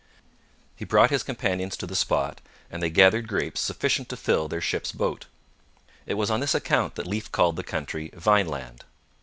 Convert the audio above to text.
He brought his companions to the spot, and they gathered grapes sufficient to fill their ship's boat. It was on this account that Leif called the country 'Vineland.'